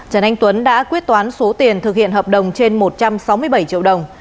trần anh tuấn đã quyết toán số tiền thực hiện hợp đồng trên một trăm sáu mươi bảy triệu đồng